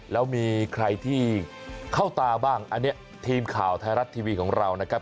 แล้วมีใครที่เข้าตาบ้างอันนี้ทีมข่าวไทยรัฐทีวีของเรานะครับ